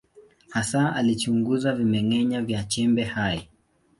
Hasa alichunguza vimeng’enya vya chembe hai.